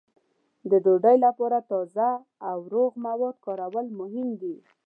د ډوډۍ لپاره تازه او روغ مواد کارول مهم دي.